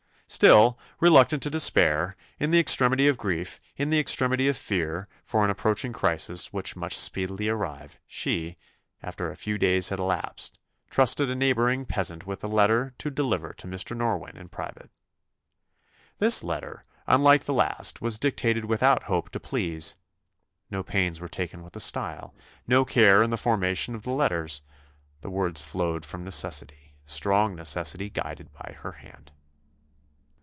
Still, reluctant to despair in the extremity of grief, in the extremity of fear for an approaching crisis which must speedily arrive, she (after a few days had elapsed) trusted a neighbouring peasant with a letter to deliver to Mr. Norwynne in private. This letter, unlike the last, was dictated without the hope to please: no pains were taken with the style, no care in the formation of the letters: the words flowed from necessity; strong necessity guided her hand.